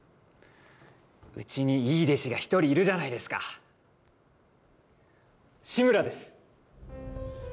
うちにいい弟子が１人いるじゃないですか志村です